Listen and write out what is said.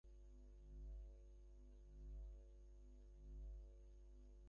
কিন্তু নিখিলকে এ-সব কথা বোঝানো ভারি শক্ত।